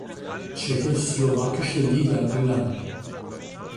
Tschechoslowakische Liga gelang.